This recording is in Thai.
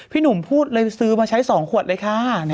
หนุ่มพูดเลยซื้อมาใช้๒ขวดเลยค่ะ